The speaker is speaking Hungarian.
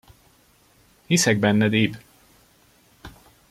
Hiszek benned, Ib!